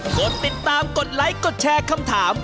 กดติดตามกดไลค์กดแชร์คำถาม